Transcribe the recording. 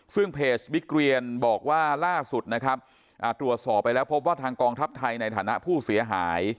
ซึ่งเพจบิ๊กเรียนบอกว่าล่าสุดนะครับตรวจสอบไปแล้วพบว่าทางกองทัพไทยในฐานะผู้เสียหาย